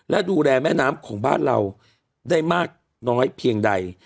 และดูแลแม่น้ำของบ้านเราได้มากน้อยเพียงใด